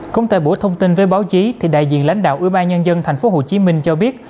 cũng tại buổi thông tin với báo chí thì đại diện lãnh đạo ủy ban nhân dân thành phố hồ chí minh cho biết